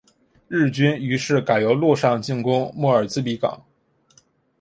日军于是改由陆上进攻莫尔兹比港。